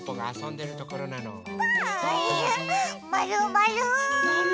まるまる。